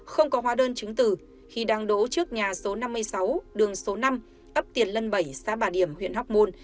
không có hóa đơn chứng tử khi đang đổ trước nhà số năm mươi sáu đường số năm ấp tiền lân bảy xã bà điểm huyện hoc mon